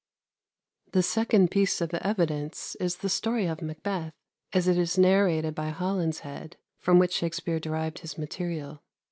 The second piece of evidence is the story of Macbeth as it is narrated by Holinshed, from which Shakspere derived his material.